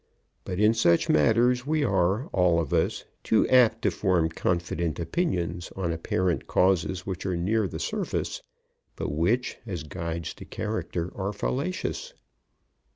But in such matters we are, all of us, too apt to form confident opinions on apparent causes which are near the surface, but which, as guides to character, are fallacious.